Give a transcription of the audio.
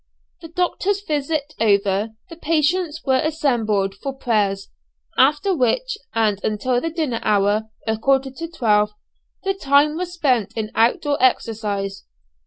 The doctors' visit over, the patients were assembled for prayers; after which, and until the dinner hour a quarter to twelve the time was spent in out door exercise.